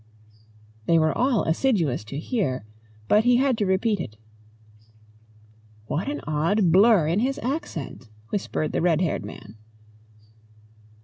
They were all assiduous to hear. But he had to repeat it. "What an odd blurr in his accent!" whispered the red haired man.